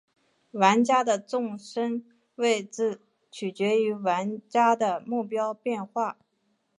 玩家的重生位置取决于玩家的目标变化。